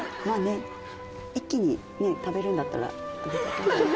まぁね一気に食べるんだったら。